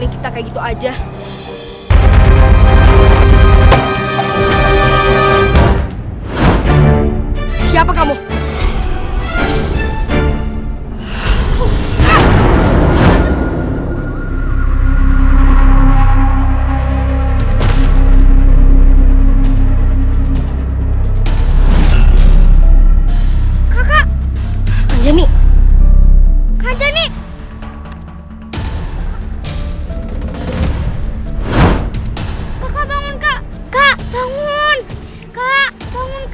kakak bangun kak